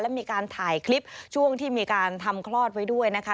และมีการถ่ายคลิปช่วงที่มีการทำคลอดไว้ด้วยนะคะ